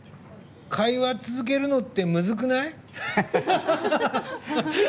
会話続けるのってムズくない？